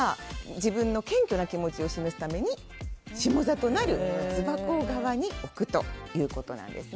自分の謙虚な気持ちを示すために下座となる靴箱側に置くということです。